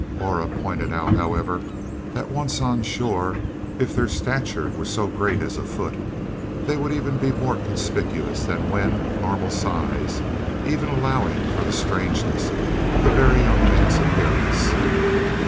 Aura pointed out, however, that once on shore, if their stature were so great as a foot they would be even more conspicuous than when of normal size even allowing for the strangeness of the Very Young Man's appearance.